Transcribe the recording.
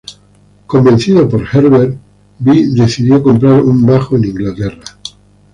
Convencido por Herbert, Bi decidió comprar un bajo en Inglaterra.